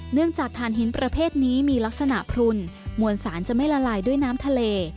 จากฐานหินประเภทนี้มีลักษณะพลุนมวลสารจะไม่ละลายด้วยน้ำทะเล